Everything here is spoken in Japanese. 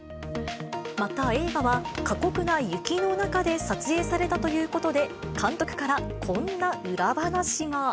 また映画は、過酷な雪の中で撮影されたということで、監督からこんな裏話が。